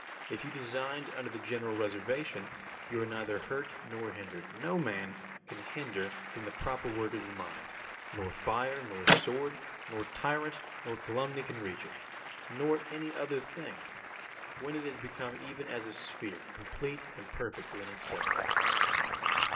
If you designed under the general reservation, you are neither hurt nor hindered. No man can hinder the proper work of the mind. Nor fire, nor sword, nor tyrant, nor calumny can reach it, nor any other thing, when it is become even as a sphere, complete and perfect within itself.